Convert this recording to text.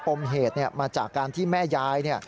ปมเหตุมาจากการที่แม่ยาย